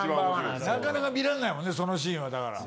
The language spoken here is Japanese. なかなか見らんないもんねそのシーンはだから。